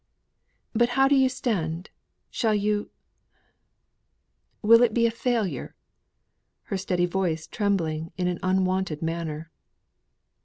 "But how do you stand? Shall you will it be a failure?" her steady voice trembling in an unwonted manner.